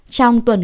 trong tuần kỳ